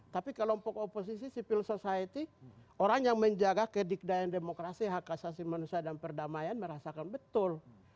tapi kelompok oposisi civil society orang yang menjaga kedikdayaan demokrasi hak asasi manusia dan perdamaian merasakan betul